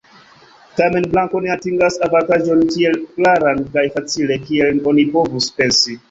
Tamen blanko ne atingas avantaĝon tiel klaran kaj facile kiel oni povus pensi.